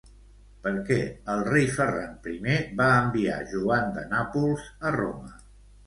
Per què el rei Ferran I va enviar Joan de Nàpols a Roma?